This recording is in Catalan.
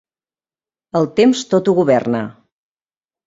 El temps tot ho governa.